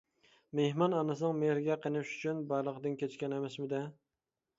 مېھمان ئانىسىنىڭ مېھرىگە قېنىش ئۈچۈن بارلىقىدىن كەچكەن ئەمەسمىدى!